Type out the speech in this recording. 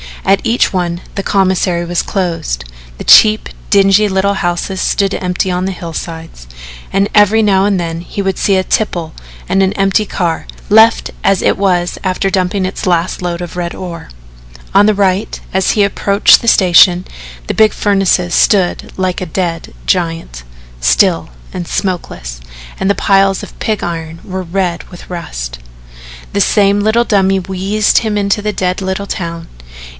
At each one the commissary was closed, the cheap, dingy little houses stood empty on the hillsides, and every now and then he would see a tipple and an empty car, left as it was after dumping its last load of red ore. On the right, as he approached the station, the big furnace stood like a dead giant, still and smokeless, and the piles of pig iron were red with rust. The same little dummy wheezed him into the dead little town.